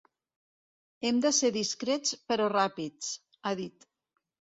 “Hem de ser discrets, però ràpids”, ha dit.